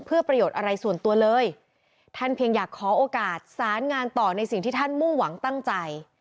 เพื่อประโยชน์อะไรส่วนตัวเลยท่านเพียงอยากขอโอกาสสารงานต่อในสิ่งที่ท่านมุ่งหวังตั้งใจ